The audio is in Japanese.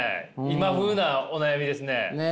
今風なお悩みですね。